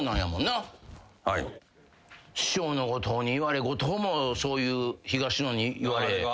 師匠の後藤に言われ後藤もそういう東野に言われ。